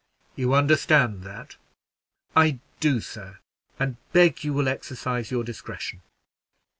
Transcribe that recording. You understand that?" "I do, sir, and beg you will exercise your discretion."